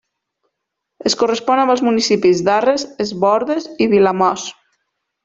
Es correspon amb els municipis d'Arres, Es Bòrdes i Vilamòs.